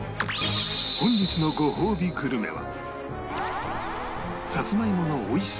本日のごほうびグルメは